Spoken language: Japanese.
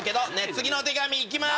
次のお手紙行きます。